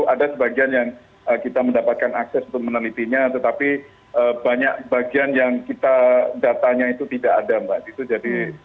ada sebagian yang kita mendapatkan akses untuk menelitinya tetapi banyak bagian yang kita datanya itu tidak ada mbak